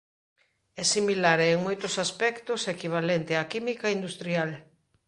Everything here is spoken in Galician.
É similar e en moitos aspectos equivalente á química industrial.